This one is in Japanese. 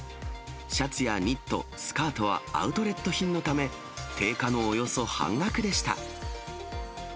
シャツやニット、スカートはアウトレット品のため、定価のおよそ半額でした。